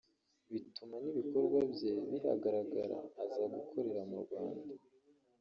bituma n’ibikorwa bye bihagarara aza gukorera mu Rwanda